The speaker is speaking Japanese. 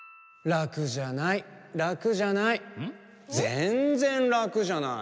・ぜんぜんラクじゃない。